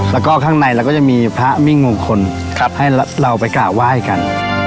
แล้วก็ข้างในเราก็จะมีพระมิ่งมงคลให้เราไปกราบไหว้กัน